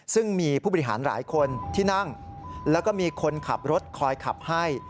ซึ่งมีผู้บริหารหลายคนที่นั่งแล้วก็มีคนขับรถคอยขับให้